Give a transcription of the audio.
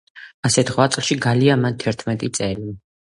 ასეთ ღვაწლში გალია მან თერთმეტი წელი.